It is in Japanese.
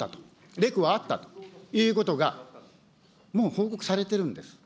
レクはあったということが、もう報告されてるんです。